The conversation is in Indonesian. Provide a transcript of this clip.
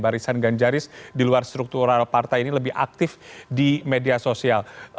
barisan ganjaris di luar struktural partai ini lebih aktif di media sosial